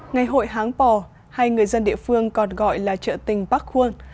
ngày hội háng bò hay người dân địa phương còn gọi là trợ tình bắc khuôn